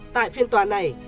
tại phiên tòa này